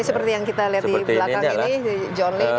seperti yang kita lihat di belakang ini john lee